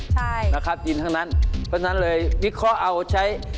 ใช่นะครับกินทั้งนั้นเพราะฉะนั้นเลยวิเคราะห์เอาใช้